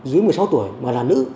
dưới một mươi sáu tuổi mà là nữ